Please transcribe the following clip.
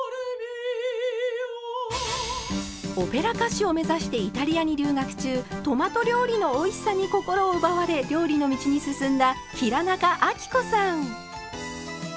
オペラ歌手を目指してイタリアに留学中トマト料理のおいしさに心を奪われ料理の道に進んだ平仲亜貴子さん。